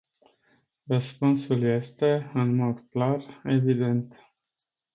Răspunsul este, în mod clar, evident.